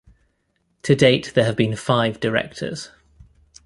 To date there have been five Directors.